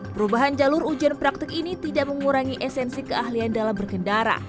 perubahan jalur ujian praktik ini tidak mengurangi esensi keahlian dalam berkendara